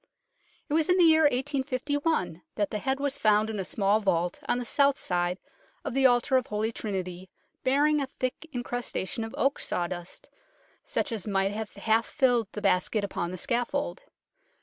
It was in the year 1851 that the head was found in a small vault on the south side of the altar of Holy Trinity, bearing a thick incrustation of oak sawdust, such as might have half filled the basket upon the scaffold.